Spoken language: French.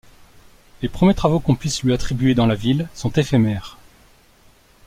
Les premiers travaux qu’on puisse lui attribuer dans la ville sont éphémères.